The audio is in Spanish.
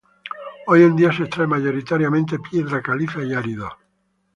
Hoy en día, se extrae mayoritariamente piedra caliza y áridos.